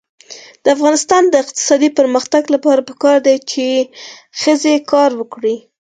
د افغانستان د اقتصادي پرمختګ لپاره پکار ده چې ښځې کار وکړي.